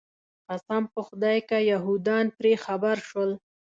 قسم په خدای که یهودان پرې خبر شول.